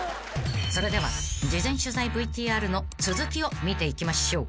［それでは事前取材ＶＴＲの続きを見ていきましょう］